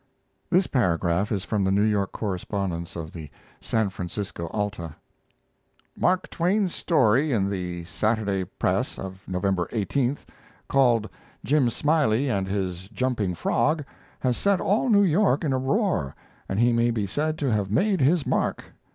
This paragraph is from the New York correspondence of the San Francisco Alta: "Mark Twain's story in the Saturday Press of November 18th, called 'Jim Smiley and His Jumping Frog,' has set all New York in a roar, and he may be said to have made his mark.